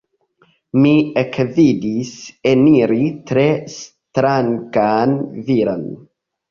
Mi ekvidis eniri tre strangan viron.